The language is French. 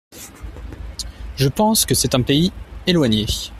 Je pense que c’est un pays… éloigné.